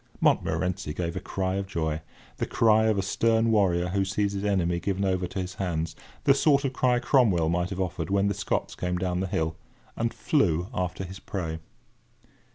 Montmorency gave a cry of joy—the cry of a stern warrior who sees his enemy given over to his hands—the sort of cry Cromwell might have uttered when the Scots came down the hill—and flew after his prey.